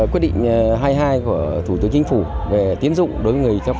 quyết định hai mươi hai của thủ tướng chính phủ về tiến hành song án phạt tù